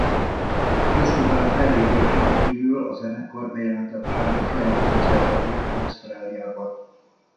A Fesztivál fellépésein kívül a zenekar bejelentett három saját koncertet is Ausztráliában.